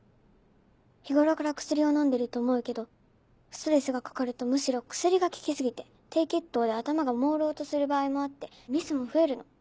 日頃から薬を飲んでると思うけどストレスがかかるとむしろ薬が効き過ぎて低血糖で頭がもうろうとする場合もあってミスも増えるの。